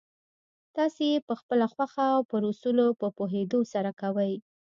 تاسې يې پخپله خوښه او پر اصولو په پوهېدو سره کوئ.